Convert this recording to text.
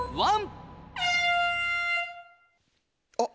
あっ。